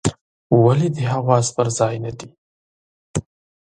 ولي دي حواس پر ځای نه دي ؟